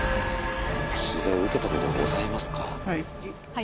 取材受けた事ございますか？